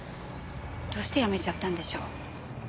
どうして辞めちゃったんでしょう。